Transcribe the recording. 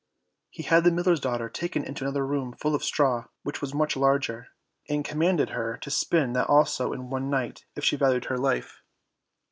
He had the miller's daughter taken into another room full of straw, which was much larger, and commanded her to spin that also in one night if she valued her life.